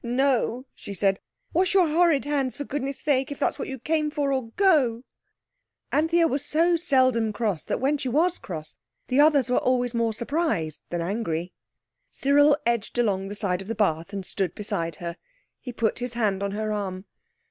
"No," she said. "Wash your horrid hands, for goodness' sake, if that's what you came for, or go." Anthea was so seldom cross that when she was cross the others were always more surprised than angry. Cyril edged along the side of the bath and stood beside her. He put his hand on her arm.